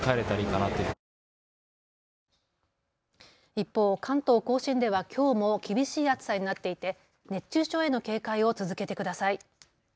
一方、関東甲信ではきょうも厳しい暑さになっていて熱中症への警戒を続けてください。